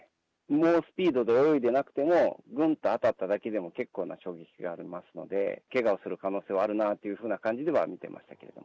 猛スピードで泳いでなくても、ずんと当たっただけでも結構な衝撃がありますので、けがをする可能性はあるなというふうな感じで見てますよね。